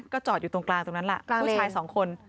จอดอยู่ตรงกลางตรงนั้นล่ะผู้ชายสองคน